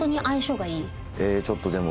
えちょっとでも。